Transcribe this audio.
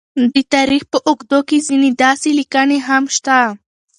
د تاریخ په اوږدو کې ځینې داسې لیکنې هم شته،